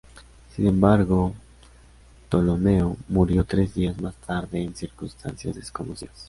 Sin embargo, Ptolomeo murió tres días más tarde en circunstancias desconocidas.